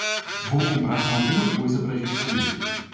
Vou comprar alguma coisa para gente comer.